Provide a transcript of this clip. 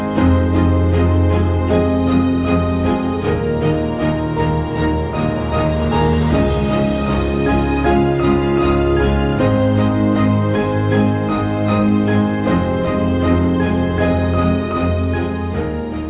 โปรดติดตามตอนต่อไป